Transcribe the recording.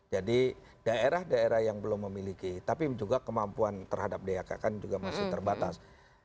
jadi daerah daerah yang belum memiliki tapi juga kemampuan terhadap dak kan juga masih terbatas